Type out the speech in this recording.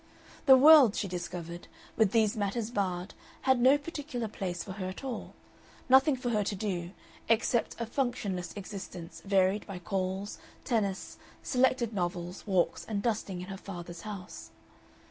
The world, she discovered, with these matters barred had no particular place for her at all, nothing for her to do, except a functionless existence varied by calls, tennis, selected novels, walks, and dusting in her father's house.